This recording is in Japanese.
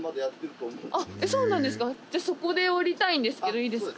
そうなんですかじゃあそこで降りたいんですけどいいですか？